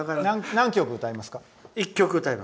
何曲歌いますか？